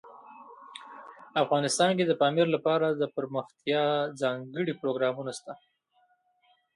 افغانستان کې د پامیر لپاره دپرمختیا ځانګړي پروګرامونه شته.